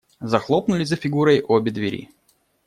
Захлопнули за Фигурой обе двери.